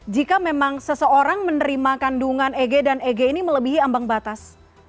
jika memang seseorang menerima kandungan eg dan eg ini melebihi ambang batas